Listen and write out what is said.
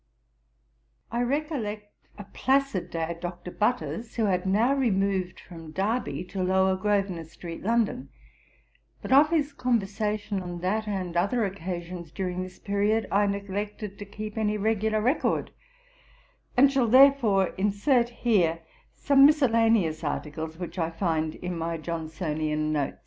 I recollect a placid day at Dr. Butter's, who had now removed from Derby to Lower Grosvenor street, London; but of his conversation on that and other occasions during this period, I neglected to keep any regular record, and shall therefore insert here some miscellaneous articles which I find in my Johnsonian notes.